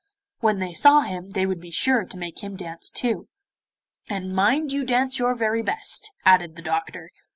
When they saw him they would be sure to make him dance too. 'And mind you dance your very best,' added the doctor.